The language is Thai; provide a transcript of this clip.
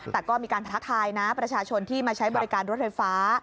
แต่ก็มีการท้าทายนะประชาชนที่มาใช้บริการรถไฟฟ้า